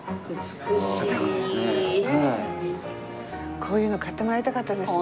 こういうの買ってもらいたかったですね。